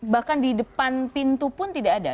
bahkan di depan pintu pun tidak ada